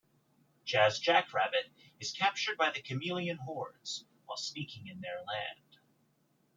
Jazz Jackrabbit is captured by the chameleon hordes while sneaking in their land.